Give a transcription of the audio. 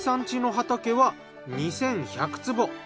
家の畑は２，１００坪。